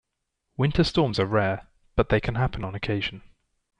Winter storms are rare, but they can happen on occasion.